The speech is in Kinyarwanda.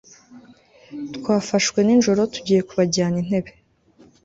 twafashwe ni njoro tugiye kubajyana intebe